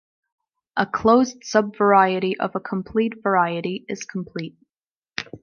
A closed subvariety of a complete variety is complete.